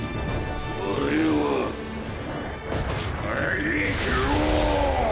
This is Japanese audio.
われは最強！